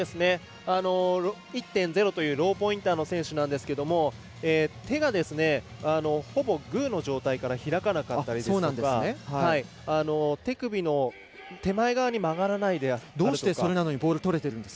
１．０というローポインターの選手なんですが手が、ほぼグーの状態から開かなかったりですとか手首の手前側に曲がらないんです。